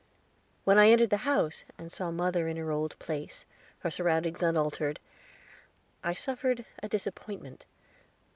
When I entered the house, and saw mother in her old place, her surroundings unaltered, I suffered a disappointment.